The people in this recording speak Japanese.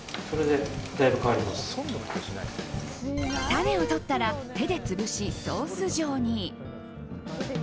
種を取ったら手で潰しソース状に。